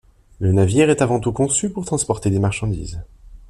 Le navire est avant tout conçu pour transporter des marchandises.